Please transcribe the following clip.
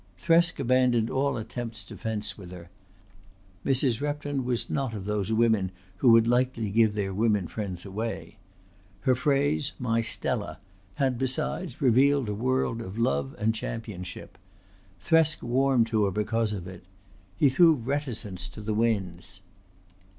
Thresk abandoned all attempt to fence with her. Mrs. Repton was not of those women who would lightly give their women friends away. Her phrase "my Stella" had, besides, revealed a world of love and championship. Thresk warmed to her because of it. He threw reticence to the winds.